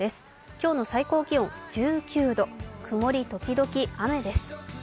今日の最高気温は１９度、曇り時々雨です。